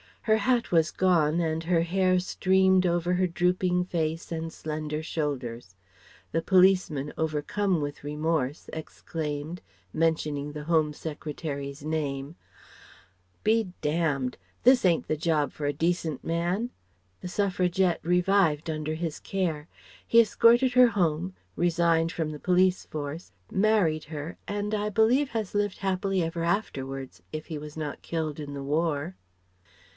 Her hat was gone and her hair streamed over her drooping face and slender shoulders. The policeman overcome with remorse exclaimed mentioning the Home Secretary's name " be damned; this ain't the job for a decent man." The Suffragette revived under his care. He escorted her home, resigned from the police force, married her and I believe has lived happily ever afterwards, if he was not killed in the War.